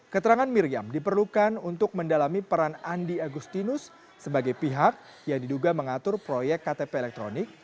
keterangan miriam diperlukan untuk mendalami peran andi agustinus sebagai pihak yang diduga mengatur proyek ktp elektronik